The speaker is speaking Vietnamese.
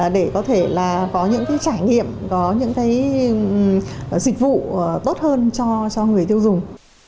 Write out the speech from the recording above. để có thể là có những cái trải nghiệm có những cái dịch vụ tốt hơn cho người tiêu dùng